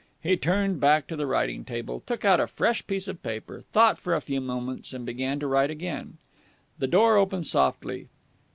He turned back to the writing table, took out a fresh piece of paper, thought for a few moments, and began to write again. The door opened softly.